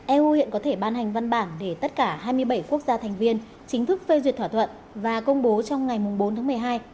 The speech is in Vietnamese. eu hiện có thể ban hành văn bản để tất cả hai mươi bảy quốc gia thành viên chính thức phê duyệt thỏa thuận và công bố trong ngày bốn tháng một mươi hai